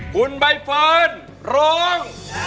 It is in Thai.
คุณใบเฟิร์นร้อง